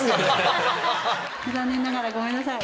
残念ながらごめんなさい。